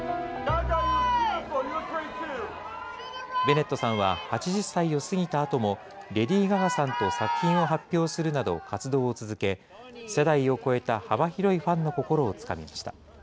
ベネットさんは８０歳を過ぎたあとも、レディー・ガガさんと作品を発表するなど、活動を続け、世代を超えた幅広いファンの心をつかみました。